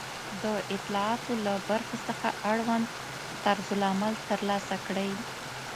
د اطلاعاتو له برخې څخه اړوند طرزالعمل ترلاسه کړئ